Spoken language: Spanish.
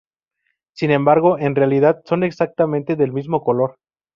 Sin embargo, en realidad son exactamente del mismo color.